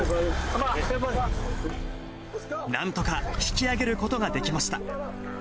なんとか引き上げることができました。